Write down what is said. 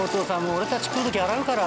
俺たち食う時洗うから。